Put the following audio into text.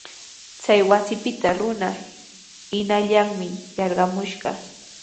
Chay wasipita runa hinallanmi yarqamushqa.